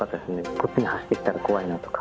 こっちに走ってきたら怖いなとか。